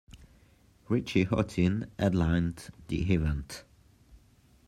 Richie Hawtin headlined the event.